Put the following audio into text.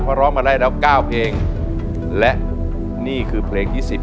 เพราะร้องมาได้แล้ว๙เพลงและนี่คือเพลงที่๑๐